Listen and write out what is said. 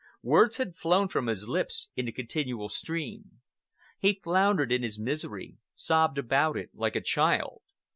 Words had flown from his lips in a continual stream. He floundered in his misery, sobbed about it like a child.